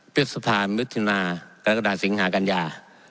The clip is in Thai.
พฤษภามิถุนากรกฎาสิงหากัญญา